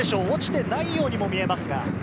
落ちてないようにも見えます。